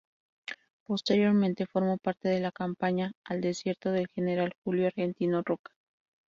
Posteriormente formó parte de la Campaña al Desierto del general Julio Argentino Roca.